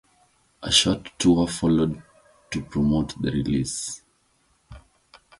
A short tour followed to promote the release.